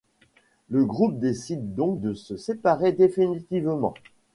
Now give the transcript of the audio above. Le groupe décide donc de se séparer définitivement.